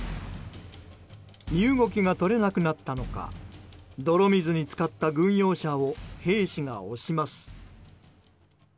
身動きが取れなくなったのか泥水に浸かった軍用車を兵士が押します。